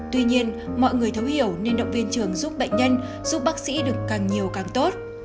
tuy nhiên mọi người thấu hiểu nên động viên trường giúp bệnh nhân giúp bác sĩ được càng nhiều càng tốt